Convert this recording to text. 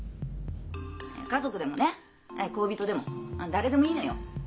家族でもね恋人でも誰でもいいのよ。